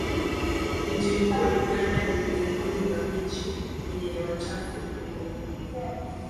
Mji mkuu wa Uganda ni miongoni mwa miji yenye hewa chafu ulimwenguni